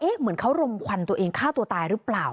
เหมือนเขารมควันตัวเองฆ่าตัวตายหรือเปล่า